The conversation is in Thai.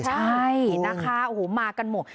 ใช่นะคะโอ้โหมากันหมด